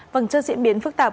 vằng chân diễn biến phức tạp